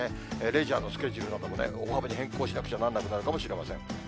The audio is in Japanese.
レジャーのスケジュールなども、大幅に変更しなくちゃならないかもしれません。